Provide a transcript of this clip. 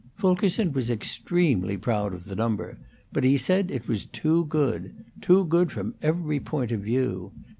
Fulkerson was extremely proud of the number; but he said it was too good too good from every point of view.